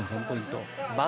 ５．３ポイント。